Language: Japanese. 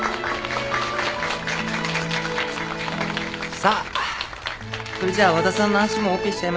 さあそれじゃあ和田さんの足もオペしちゃいましょうか。